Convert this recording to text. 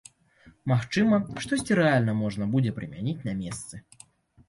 Магчыма, штосьці рэальна можна будзе прымяніць на месцы.